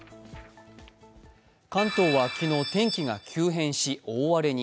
関東は昨日、天気が急変し大荒れに。